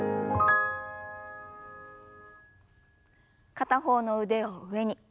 片方の腕を上に。